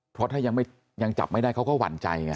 เพราะถ้ายังจับไม่ได้เขาก็หวั่นใจไง